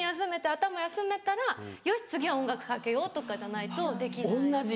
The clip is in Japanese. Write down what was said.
頭休めたらよし次は音楽かけようとかじゃないとできない。